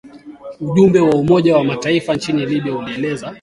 Ujumbe wa Umoja wa Mataifa nchini Libya ulielezea